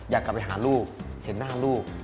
อยากกลับไปหาลูกเห็นหน้าลูก